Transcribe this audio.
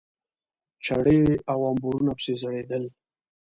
چاړې او امبورونه پسې ځړېدل.